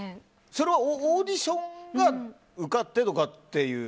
それはオーディションに受かってとかいう？